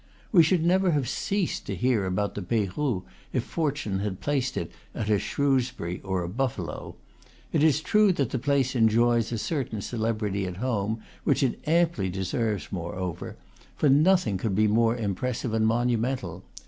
We should never have ceased to hear about the Peyrou, if fortune had placed it at a Shrewsbury or a Buffalo. It is true that the place enjoys a certain celebrity at home, which it amply deserves, moreover; for nothing could be more impressive and monumental.